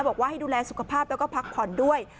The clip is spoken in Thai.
บอกว่าให้ดูแลสุขภาพแล้วก็พักผ่อนด้วย